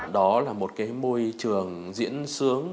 đó là một cái môi trường diễn sướng